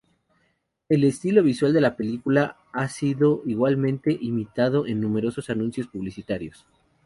El estilo visual de la película ha sido igualmente imitado en numerosos anuncios publicitarios.